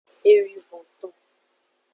Ewivonton.